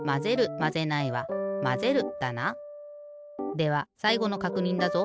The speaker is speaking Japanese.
ではさいごのかくにんだぞ。